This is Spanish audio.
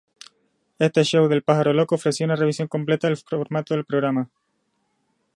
Este Show del Pájaro Loco ofrecía una revisión completa del formato del programa.